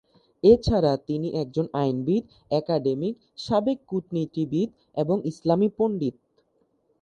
এছাড়া তিনি একজন আইনবিদ, অ্যাকাডেমিক, সাবেক কূটনীতিবিদ এবং ইসলামি পণ্ডিত।